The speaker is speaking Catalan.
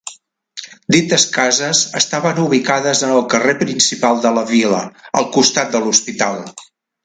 Dites cases estaven ubicades en el carrer principal de la vila, al costat de l'hospital.